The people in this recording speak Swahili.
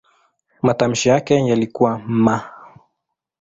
Matamshi yake yalikuwa "m".